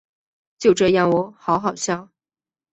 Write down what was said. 就这样喔好好笑